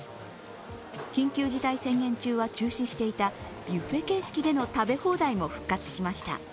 緊急事態宣言中は中止していたビュッフェ形式での食べ放題も復活しました。